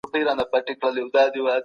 پوهه د ځواک سرچينه ده.